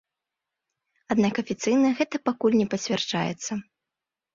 Аднак афіцыйна гэта пакуль не пацвярджаецца.